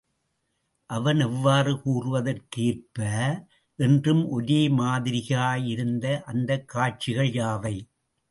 அவன் இவ்வாறு கூறுவதற்கு ஏற்ப, என்றும் ஒரே மாதிரியாயிருந்த அந்தக் காட்சிகள் யாவை?